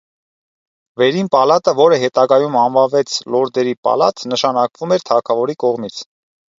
Վերին պալատը, որը հետագայում անվանվեց լորդերի պալատ, նշանակվում էր թագավորի կողմից։